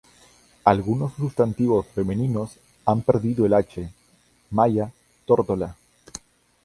Algunos sustantivos femeninos han perdido el "h-": "malla" "tórtola".